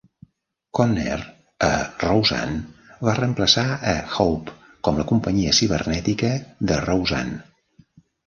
Conner, a "Roseanne", va reemplaçar a Hope com la companya cibernètica de Roseanne.